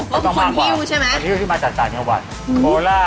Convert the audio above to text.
ก็เป็นคนวิวใช่มะ